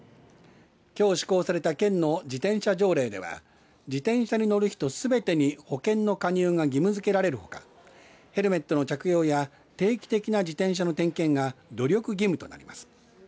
きょう施行された県の自転車条例では自転車に乗る人すべてに保険の加入が義務づけられるほかヘルメットの着用や定期的な自転車の点検が努力義務となります。